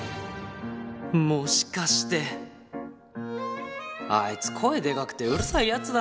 もしかしてあいつ声でかくてうるさいヤツだな。